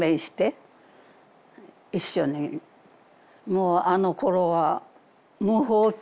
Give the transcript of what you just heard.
もうあのころは無法地帯ですよ